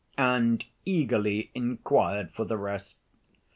and eagerly inquired for the rest.